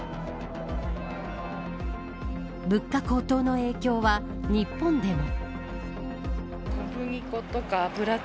物価高騰の影響は日本でも。